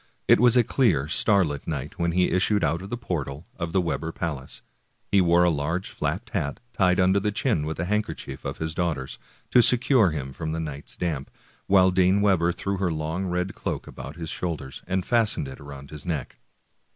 It was a clear, starlight night when he issued out of the portal of the Webber palace. He wore a large fiapped hat, tied under the chin with a handkerchief of his daughter's, to secure him from the night damp, while Dame Webber threw her long red cloak about his shoul ders, and fastened it round his neck.